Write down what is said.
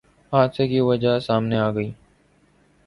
حادثے کی وجہ سامنے آگئی